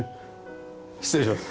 失礼します。